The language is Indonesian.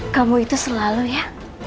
kamu itu selalu ya